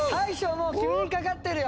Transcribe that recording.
もう君にかかってるよ！